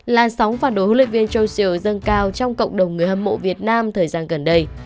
làn sóng phản đối huấn luyện viên châu siêu dâng cao trong cộng đồng người hâm mộ việt nam thời gian gần đây